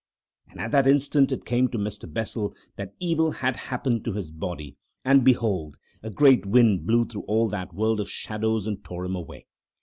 And at that instant it came to Mr. Bessel that evil had happened to his body, and behold! a great wind blew through all that world of shadows and tore him away.